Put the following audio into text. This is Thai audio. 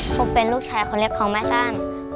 ผมเป็นลูกชายคนเล็กของแม่สั้น